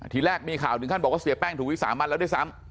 ทีแรกมีข่าวถึงขั้นบอกว่าเสียแป้งถูกวิสามันแล้วด้วยซ้ำ